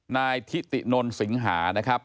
นายทิตินนสิงหานะครับ